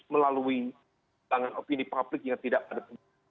melalui tangan opini publik yang tidak ada